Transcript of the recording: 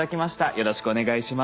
よろしくお願いします。